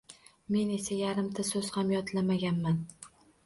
Men esa yarimta so`z ham yodlamaganman